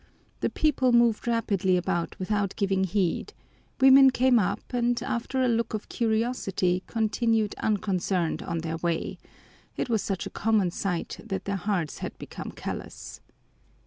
The people moved rapidly about without giving heed, women came up and after a look of curiosity continued unconcerned on their way it was such a common sight that their hearts had become callous.